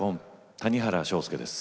谷原章介です。